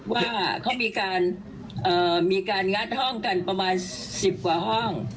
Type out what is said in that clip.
ว่าเขามีการงัดห้องกันประมาณ๑๐กว่าห้อง